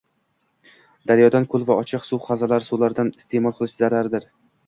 daryodan, ko‘l va ochiq suv havzalari suvlaridan iste’mol qilish zarardir